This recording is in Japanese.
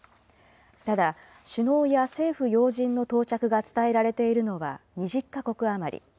ただ、首脳や政府要人の到着が伝えられているのは２０か国余り。